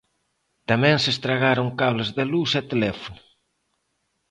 Tamén se estragaron cables da luz e teléfono.